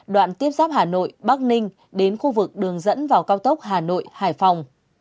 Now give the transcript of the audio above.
đoạn tiếp giáp hà nội bắc ninh đến khu vực đường dẫn vào cao tốc hà nội hải phòng